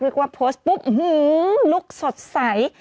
เรียกว่าโพสต์ปุ๊บอื้อหือลูกสดใส